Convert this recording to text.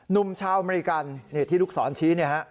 นุ่มชาวอเมริกันที่ลูกสอนชี